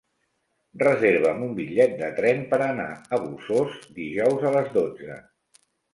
Reserva'm un bitllet de tren per anar a Bossòst dijous a les dotze.